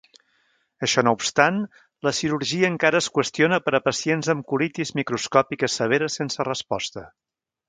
Això no obstant, la cirurgia encara es qüestiona per a pacients amb colitis microscòpia severa sense resposta.